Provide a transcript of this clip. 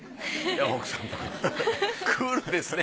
奥さんクールですね。